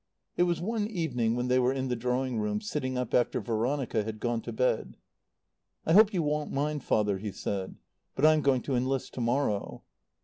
It was one evening when they were in the drawing room, sitting up after Veronica had gone to bed. "I hope you won't mind, Father," he said; "but I'm going to enlist to morrow."